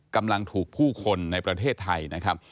กำลังถูกผู้คนในประเทศไทยนะครับ